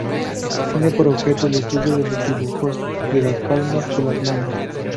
Tiene por objeto el estudio de los dibujos de las palmas de las manos.